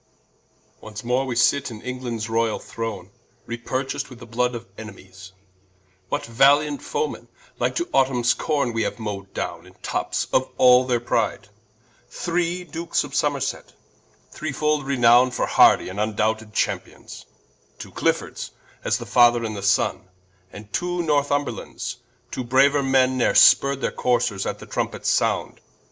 Once more we sit in Englands Royall Throne, Re purchac'd with the Blood of Enemies: What valiant Foe men, like to Autumnes Corne, Haue we mow'd downe in tops of all their pride? Three Dukes of Somerset, threefold Renowne, For hardy and vndoubted Champions: Two Cliffords, as the Father and the Sonne, And two Northumberlands: two brauer men, Ne're spurr'd their Coursers at the Trumpets sound.